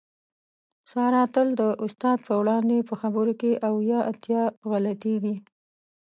ساره تل د استاد په وړاندې په خبرو کې اویا اتیا غلطېږي.